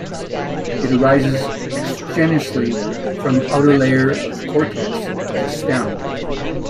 It arises exogenously from outer layer of cortex of the stem.